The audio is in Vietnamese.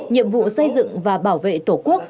nhiệm vụ xây dựng và bảo vệ tổ quốc